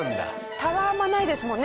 たわまないですもんね